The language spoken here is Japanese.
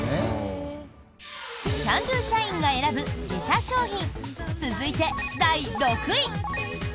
Ｃａｎ★Ｄｏ社員が選ぶ自社商品続いて、第６位。